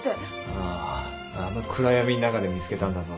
あああの暗闇ん中で見つけたんだぞ。